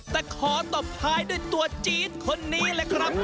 แต่ขอตบท้ายด้วยตัวจี๊ดคนนี้เลยครับ